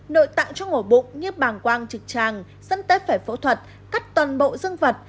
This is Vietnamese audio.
nội tạng cho ngổ bụng nghiếp bàng quang trực tràng dân tếp phải phẫu thuật cắt toàn bộ dương vật